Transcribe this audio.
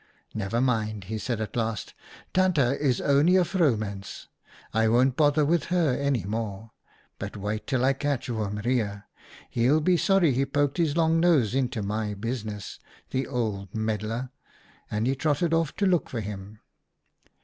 "' Never mind,' he said at last, ' Tante is only a vrouwmens ; I won't bother with her any more. But wait till I catch Oom Reijer. He'll be sorry he poked his long nose into my business, the old meddler,' and he trotted off to look for him.